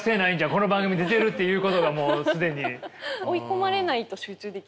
この番組出てるっていうことがもう既に。